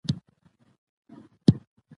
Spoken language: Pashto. هندوکش د خلکو ژوند طرز اغېزمنوي.